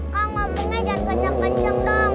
kau ngomongnya jangan kenceng kenceng dong